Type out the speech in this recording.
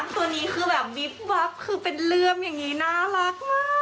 ตัวนี้คือแบบวิบวับคือเป็นเรื่องอย่างนี้น่ารักมาก